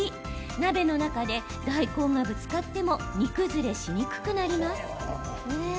鍋の中で大根がぶつかっても煮崩れしにくくなります。